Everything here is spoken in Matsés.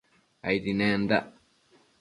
Aidi nendac